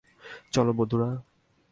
চলো, বন্ধুরা!